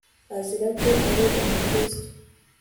azira ko ari umukristo